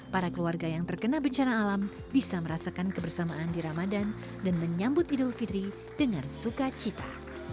para keluarga yang terkena bencana alam bisa merasakan kebersamaan di ramadan dan menyambut idul fitri dengan sukacita